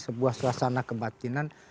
sebuah suasana kebatinan